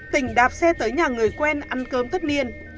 tỉnh đạp xe tới nhà người quen ăn cơm tất niên